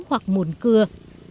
hoặc mùn cưa